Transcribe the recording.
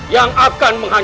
yang akan mengusirkan